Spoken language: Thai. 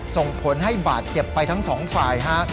ส่งผลให้บาดเจ็บไปทั้งสองฝ่ายฮะ